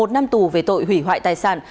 một năm tù về tội hủy hoại tài sản